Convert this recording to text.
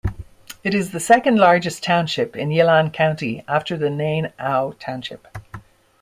It is the second largest township in Yilan County after Nan-ao Township.